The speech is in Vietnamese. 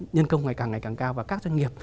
nhân công ngày càng ngày càng cao và các doanh nghiệp